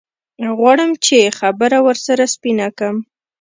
غواړم چې خبره ورسره سپينه کم.